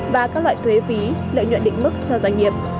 và các loại thuế phí lợi nhuận định mức cho doanh nghiệp